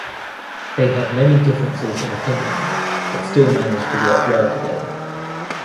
They had many differences in opinion but still managed to work well together.